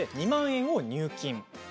２万円を入金。